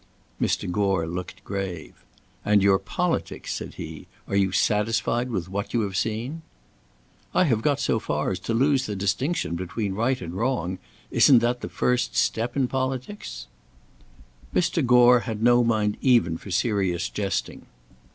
Mr. Gore looked grave. "And your politics!" said he; "are you satisfied with what you have seen?" "I have got so far as to lose the distinction between right and wrong. Isn't that the first step in politics?" Mr. Gore had no mind even for serious jesting.